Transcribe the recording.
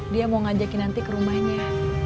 dia mau ngajakin nanti ke rumahnya